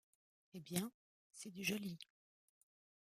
Eh bien ! c’est du joli !